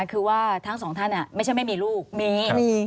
คือว่าทั้งสองท่านไม่ใช่ไม่มีลูกมี